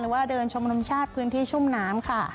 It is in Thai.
ว่าเดินชมรมชาติพื้นที่ชุ่มน้ำค่ะ